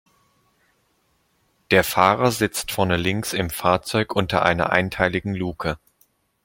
Der Fahrer sitzt vorne links im Fahrzeug unter einer einteiligen Luke.